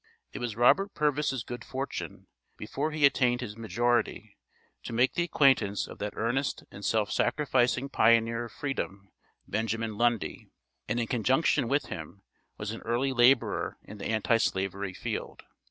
It was Robert Purvis' good fortune, before he attained his majority, to make the acquaintance of that earnest and self sacrificing pioneer of freedom, Benjamin Lundy; and in conjunction with him, was an early laborer in the anti slavery field.